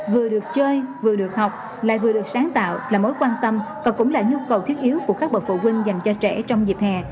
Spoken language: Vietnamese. vừa được chơi vừa được học lại vừa được sáng tạo là mối quan tâm và cũng là nhu cầu thiết yếu của các bậc phụ huynh dành cho trẻ trong dịp hè